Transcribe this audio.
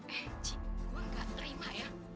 eh cik gue gak terima ya